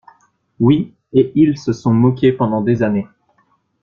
Oui, et ils se sont moqués pendant des années.